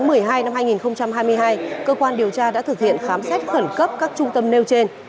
ngày một mươi hai năm hai nghìn hai mươi hai cơ quan điều tra đã thực hiện khám xét khẩn cấp các trung tâm nêu trên